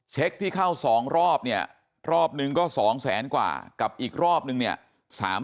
เช็คที่เข้า๒รอบเนี่ยรอบหนึ่งก็๒๐๐๐๐๐กว่ากับอีกรอบหนึ่ง๓รอบ